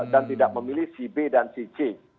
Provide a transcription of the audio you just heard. dan tidak memilih si b dan si c